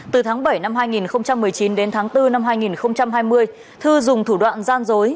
từ tháng bảy năm hai nghìn một mươi chín đến tháng bốn năm hai nghìn hai mươi thư dùng thủ đoạn gian dối